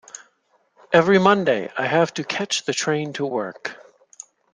Every Monday I have to catch the train into work